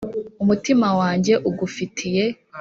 umutima wanjye ugufitiye